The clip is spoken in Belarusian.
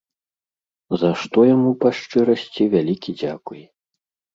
За што яму, па шчырасці, вялікі дзякуй.